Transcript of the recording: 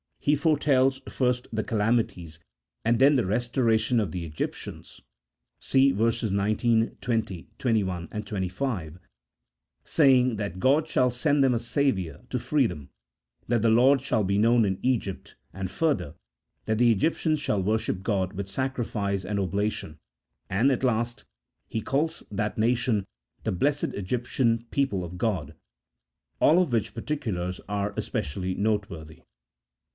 he foretells first the calamities and then the restoration of the Egyptians (see verses 19, 20, 21, 25), saying that God shall send them a Saviour to free them, that the Lord shall be known in Egypt, and, further, that the Egyptians shall worship God with sacri fice and oblation; and, at last, he calls that nation the blessed Egyptian people of God ; all of which particulars are specially noteworthy.